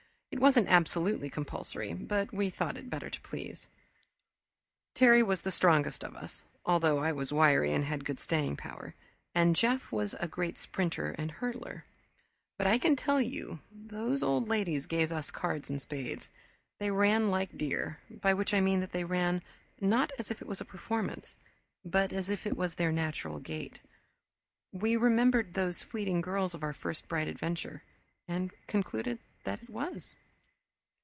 It wasn't absolutely compulsory, but we thought it better to please. Terry was the strongest of us, though I was wiry and had good staying power, and Jeff was a great sprinter and hurdler, but I can tell you those old ladies gave us cards and spades. They ran like deer, by which I mean that they ran not as if it was a performance, but as if it was their natural gait. We remembered those fleeting girls of our first bright adventure, and concluded that it was.